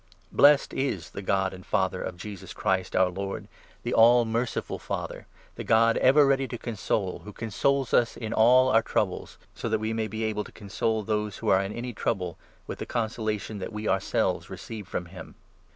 Blessed is the God and Father of Jesus Christ 3 Thaifk'.'rtvK our Lord' the all merciful Father, the God ever for ready to console, who consoles us in all our 4 E"^nentfre" trou^'es) so tnat we mav be able to console those who are in any trouble with the consolation that we ourselves receive from him.